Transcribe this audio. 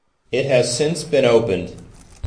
It has since been opened.